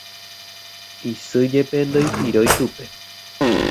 isy jepe ndoipirói chupe